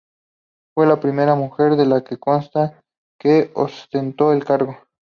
Fue la primera mujer de la que consta que ostentó el cargo.